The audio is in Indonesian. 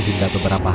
hingga beberapa hari